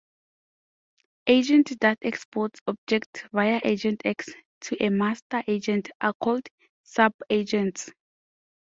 Agents that export objects via AgentX to a master agent are called subagents.